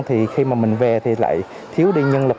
thì khi mà mình về thì lại thiếu đi nhân lực